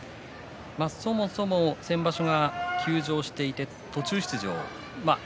そもそも先場所休場していて途中出場。